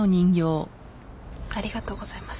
ありがとうございます。